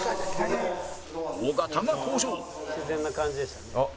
尾形が登場！